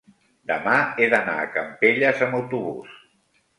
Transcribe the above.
demà he d'anar a Campelles amb autobús.